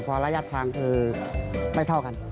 พอระยะทางคือไม่เท่ากัน